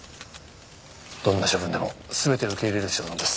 どんな処分でもすべて受け入れる所存です